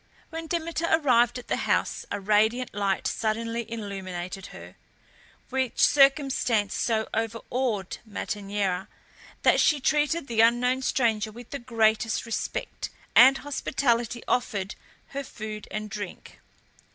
When Demeter arrived at the house a radiant light suddenly illumined her, which circumstance so overawed Metaneira that she treated the unknown stranger with the greatest respect, and hospitably offered her food and drink.